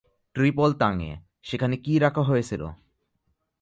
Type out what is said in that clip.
ত্রিপল টাঙিয়ে সেখানে কি রাখা হয়েছিল?